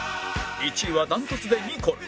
１位は断トツでニコル